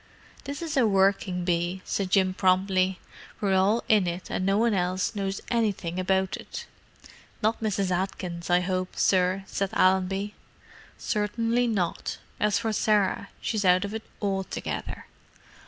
"This is a working bee," said Jim promptly. "We're all in it, and no one else knows anything about it." "Not Mrs. Atkins, I hope, sir," said Allenby. "Certainly not. As for Sarah, she's out of it altogether."